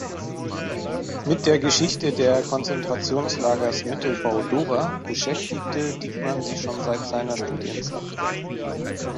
Mit der Geschichte der Konzentrationslagers Mittelbau-Dora beschäftigte Dieckmann sich schon seit seiner Studienzeit.